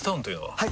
はい！